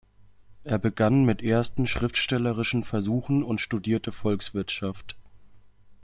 Er begann mit ersten schriftstellerischen Versuchen und studierte Volkswirtschaft.